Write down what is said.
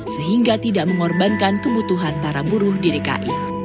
sehingga tidak mengorbankan kebutuhan para buruh di dki